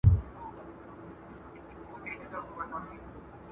چي مو وركړي ستا